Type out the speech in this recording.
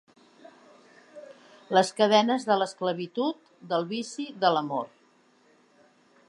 Les cadenes de l'esclavitud, del vici, de l'amor.